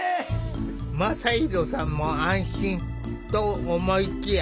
真大さんも安心！と思いきや